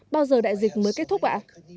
bao giờ đại dịch mới kết thúc ạ